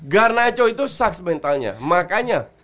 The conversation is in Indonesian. garnacho itu sucks mentalnya makanya